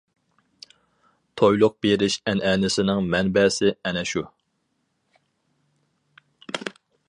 تويلۇق بېرىش ئەنئەنىسىنىڭ مەنبەسى ئەنە شۇ.